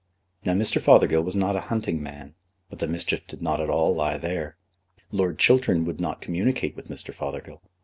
Now Mr. Fothergill was not a hunting man, but the mischief did not at all lie there. Lord Chiltern would not communicate with Mr. Fothergill.